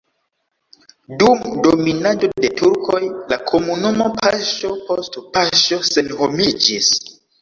Dum dominado de turkoj la komunumo paŝo post paŝo senhomiĝis.